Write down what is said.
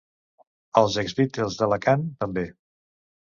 Els ex-batlles d’Alacant, també.